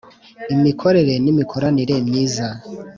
imikorere ni mikoranire myiza